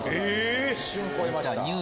一瞬超えました。